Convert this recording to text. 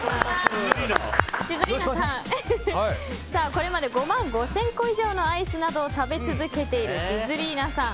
これまで５万５０００個以上のアイスなどを食べ続けているシズリーナさん。